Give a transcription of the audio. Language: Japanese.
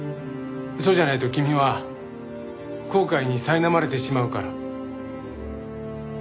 そうじゃないと君は後悔にさいなまれてしまうから。